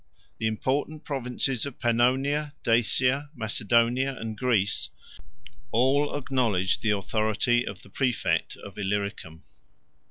The important provinces of Pannonia, Dacia, Macedonia, and Greece, once acknowledged the authority of the præfect of Illyricum.